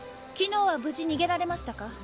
昨日は無事逃げられましたか？